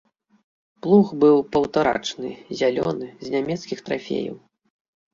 Плуг быў паўтарачны, зялёны, з нямецкіх трафеяў.